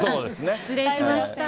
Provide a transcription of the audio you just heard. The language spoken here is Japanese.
失礼しました。